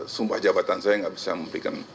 sumpah jabatan saya nggak bisa memberikan